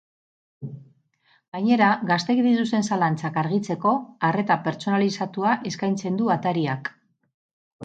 Gainera, gazteek dituzten zalantzak argitzeko arreta pertsonalizatua eskaintzen du atariak.